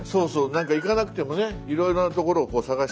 なんか行かなくてもねいろいろなところをこう探して